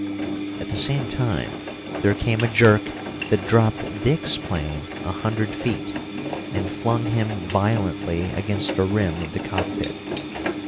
At the same time there came a jerk that dropped Dick's plane a hundred feet, and flung him violently against the rim of the cockpit.